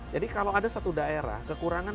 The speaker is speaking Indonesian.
jadi kalau ada satu daerah kekurangan